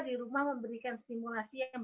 di rumah memberikan stimulasi yang